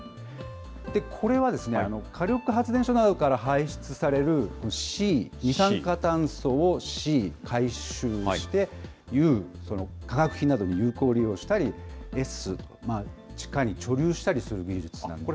これは火力発電所などから排出されるＣ・二酸化炭素をＣ・回収して、Ｕ・化学品などに有効利用したり、Ｓ・地下に貯留したりする技術なんですね。